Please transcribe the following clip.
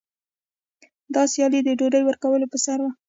دا سیالي د ډوډۍ ورکولو په سر وه.